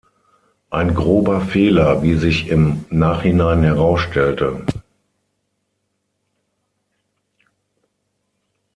Ein grober Fehler, wie sich im Nachhinein herausstellte.